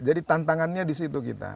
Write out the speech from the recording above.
jadi tantangannya di situ kita